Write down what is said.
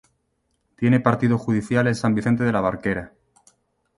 Tiene partido judicial en San Vicente de la Barquera.